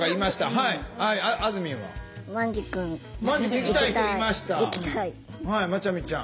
はいまちゃみちゃん。